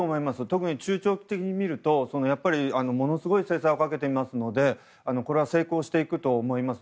特に中長期的に見るとものすごい制裁をかけていますので成功していくと思います。